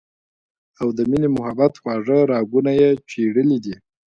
او د مينې محبت خواږۀ راګونه ئې چېړلي دي